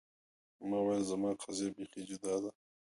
ما ویل زما قضیه بیخي جدا ده.